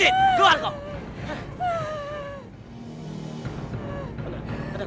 hei cid keluar kau